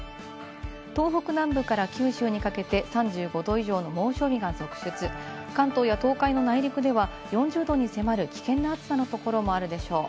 東北南部から九州にかけて３５℃以上の猛暑日が続出、関東や東海の内陸では４０℃に迫る危険な暑さのところもあるでしょう。